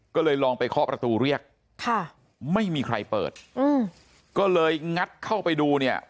ก็เลยลองไปเคาะประตูเรียกค่ะไม่มีใครเปิดอืมก็เลยงัดเข้าไปดูเนี่ย